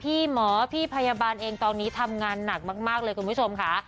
พี่หมอพี่พยาบาลเองตอนนี้ทำงานหนักมากเลยคุณผู้ชมค่ะ